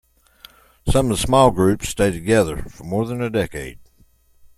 Some of the small groups stayed together for more than a decade.